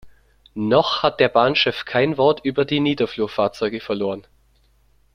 Noch hat der Bahnchef kein Wort über die Niederflurfahrzeuge verloren.